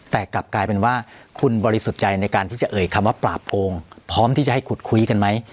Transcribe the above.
แต่กลับกลายเป็นว่าคุณบริสุทธิ์ใจในการที่จะเอ่ยคำว่าปราบโกงพร้อมที่จะให้ขุดคุยกันไหม